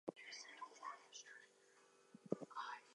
Her older sister is Raghad and younger sister is Hala Hussein.